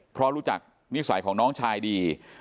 เพราะรู้จักนิสัยของน้องชายดี